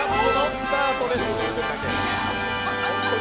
スタートです。